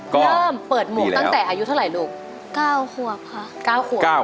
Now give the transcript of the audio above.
เริ่มเปิดหมูตั้งแต่อายุเท่าไหร่ลูก๙ขวบค่ะ๙ขวบ